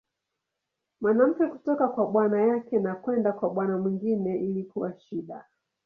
Mwanamke kutoka kwa bwana yake na kwenda kwa bwana mwingine ilikuwa shida.